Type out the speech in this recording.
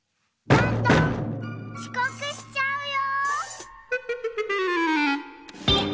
ちこくしちゃうよ！